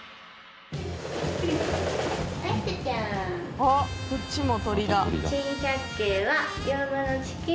あっこっちも鳥だ。